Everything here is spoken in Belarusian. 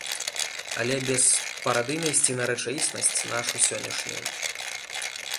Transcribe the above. Але без парадыйнасці на рэчаіснасць нашу сённяшнюю.